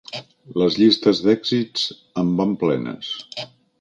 Les llistes d'èxits en van plenes.